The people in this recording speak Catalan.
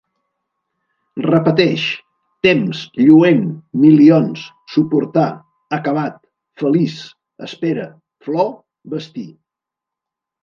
Repeteix: temps, lluent, milions, suportar, acabat, feliç, espere, flor, vestir